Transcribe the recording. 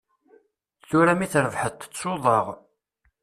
Tura mi trebḥeḍ, tettuḍ-aɣ.